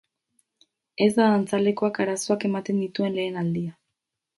Ez da dantzalekuak arazoak ematen dituen lehen aldia.